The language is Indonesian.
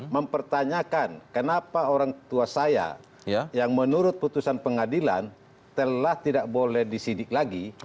mempertanyakan kenapa orang tua saya yang menurut putusan pengadilan telah tidak boleh disidik lagi